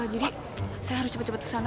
jadi saya harus cepet cepet ke sana